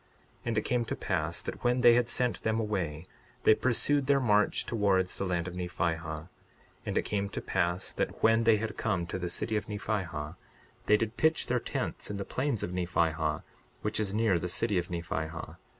62:18 And it came to pass that when they had sent them away they pursued their march towards the land of Nephihah. And it came to pass that when they had come to the city of Nephihah, they did pitch their tents in the plains of Nephihah, which is near the city of Nephihah.